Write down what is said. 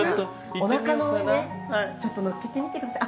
おなかの上にのっけてみてください。